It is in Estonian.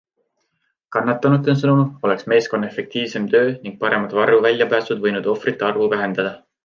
Kannatanute sõnul oleks meeskonna efektiivsem töö ning paremad varuväljapääsud võinud ohvrite arvu vähendada.